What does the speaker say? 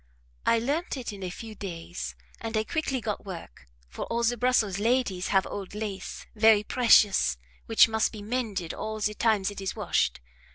I learnt it in a few days, and I quickly got work, for all the Brussels ladies have old lace very precious which must be mended all the times it is washed.